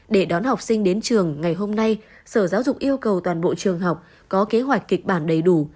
để đón học sinh đến trường ngày hôm nay sở giáo dục yêu cầu toàn bộ trường học có kế hoạch kịch bản đầy đủ